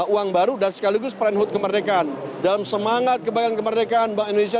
uang baru dan sekaligus perangkat kemerdekaan dalam semangat kembang kemerdekaan mbak indonesia